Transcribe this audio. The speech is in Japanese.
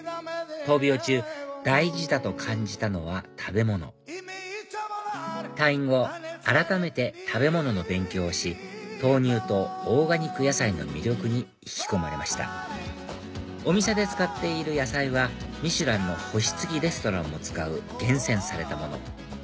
闘病中大事だと感じたのは食べ物退院後改めて食べ物の勉強をし豆乳とオーガニック野菜の魅力に引き込まれましたお店で使っている野菜はミシュランの星つきレストランも使う厳選されたもの